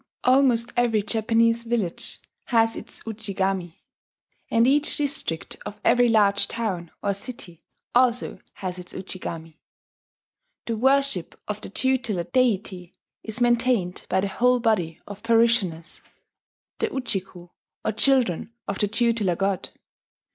Almost every Japanese village has its Ujigami; and each district of every large town or city also has its Ujigami. The worship of the tutelar deity is maintained by the whole body of parishioners, the Ujiko, or children of the tutelar god.